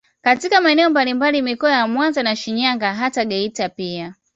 Katika maeneo mbalimbali mikoa ya Mwanza na Shinyanga hata Geita pia